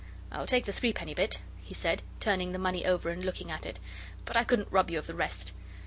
'I'll take the threepenny bit,' he said, turning the money over and looking at it, 'but I couldn't rob you of the rest.